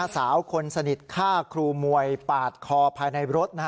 สาวคนสนิทฆ่าครูมวยปาดคอภายในรถ